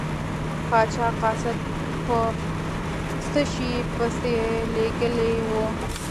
پاچا قاصد په څه شي پسې لیږلی و.